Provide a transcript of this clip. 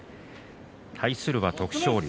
対するは徳勝龍。